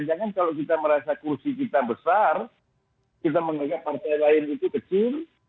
jangan kalau kita merasa kursi kita besar kita menganggap partai lain itu kecil